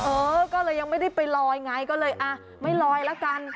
เออก็เลยยังไม่ได้ไปลอยไงก็เลยอ่ะไม่ลอยละกัน